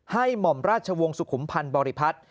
หม่อมราชวงศ์สุขุมพันธ์บริพัฒน์